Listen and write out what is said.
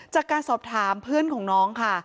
จากการสอบถามเพื่อนของน้องค่ะ